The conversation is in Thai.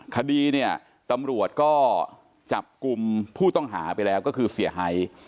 คดีเนี่ยตำรวจก็จับกลุ่มผู้ต้องหาไปแล้วก็คือเสียหาย